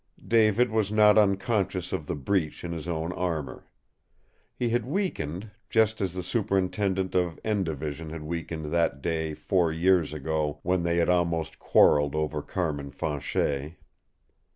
David was not unconscious of the breach in his own armor. He had weakened, just as the Superintendent of "N" Division had weakened that day four years ago when they had almost quarreled over Carmin Fanchet.